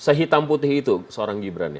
sehitam putih itu seorang gibran ya